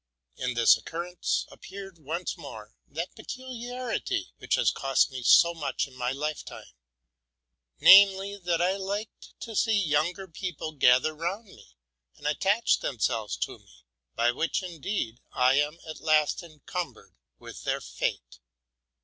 In this occurrence appeared once more that peculiarity which has cost me so much in my lifetime ; namely, that I liked to see younger people gather round me and attach themselves to me, by which, indeed, I am at last encumbered with their fate.